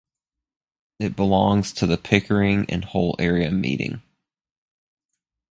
It belongs to the Pickering and Hull area meeting.